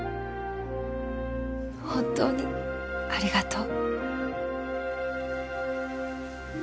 本当にありがとう